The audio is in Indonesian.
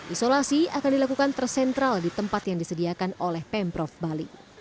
isolasi akan dilakukan tersentral di tempat yang disediakan oleh pemprov bali